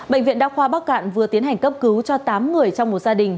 bệnh viện đa khoa bắc cạn vừa tiến hành cấp cứu cho tám người trong một gia đình